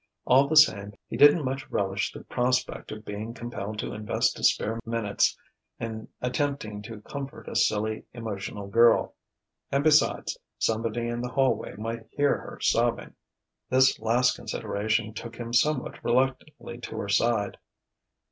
All the same, he didn't much relish the prospect of being compelled to invest his spare minutes in attempting to comfort a silly, emotional girl. And, besides, somebody in the hallway might hear her sobbing.... This last consideration took him somewhat reluctantly to her side.